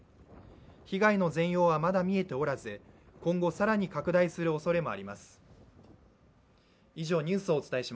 被害の全容はまだ見えておらず今後、更に拡大するおそれもあります